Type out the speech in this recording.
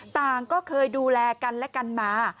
ต่างก็เคยดูแลกันและกันมา